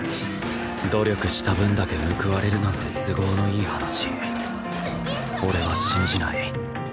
努力した分だけ報われるなんて都合のいい話俺は信じない